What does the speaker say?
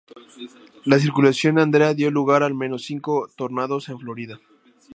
La circulación de Andrea dio lugar al menos cinco tornados en Florida.